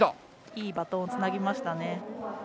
いいバトンをつなぎました。